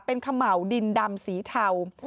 เป็นขะเหมาดินดำสีเทา